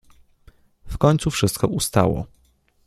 W końcu wszystko ustało.